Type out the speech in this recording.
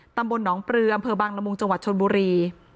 ตำบลหนองปลืออำเภอบังละมุงจังหวัดชนบุรี